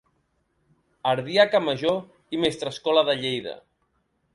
Ardiaca major i mestrescola de Lleida.